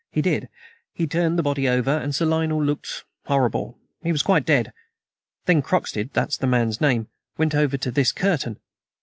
He did. He turned the body over, and Sir Lionel looked horrible. He was quite dead. Then Croxted that's the man's name went over to this curtain.